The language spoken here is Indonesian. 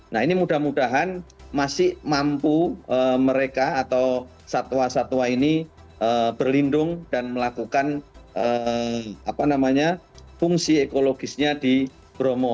nah ini mudah mudahan masih mampu mereka atau satwa satwa ini berlindung dan melakukan fungsi ekologisnya di bromo